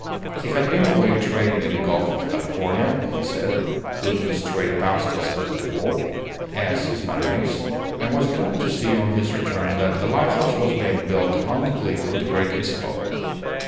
He had been away trading in the Gulf of California, he said, looking straight past us at the wall, as his manner is, and was glad to see on his return that a lighthouse was being built on the cliff of the Great Isabel.